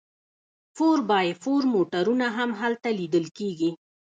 فور بای فور موټرونه هم هلته لیدل کیږي